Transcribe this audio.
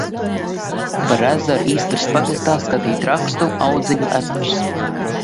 Par ezeru Istras pagastā skatīt rakstu Audzeļu ezers.